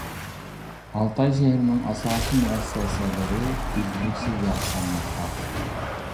ئالتاي شەھىرىنىڭ ئاساسىي مۇئەسسەسەلىرى ئۈزلۈكسىز ياخشىلانماقتا.